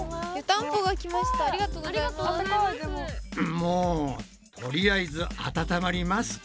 もうとりあえず温まりますか。